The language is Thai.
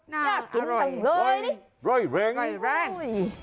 อยากกินจังเลยนี่อร่อยแรงอร่อยแรง